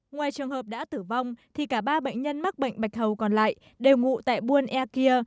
ngoài trường hợp đã tử vong thì cả ba bệnh nhân mắc bệnh bạch hầu còn lại đều ngụ tại buôn e kia